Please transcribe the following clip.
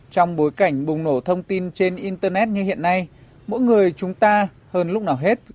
trong bối cảnh bùng nổ thông tin trên internet như hiện nay mỗi người chúng ta hơn lúc nào hết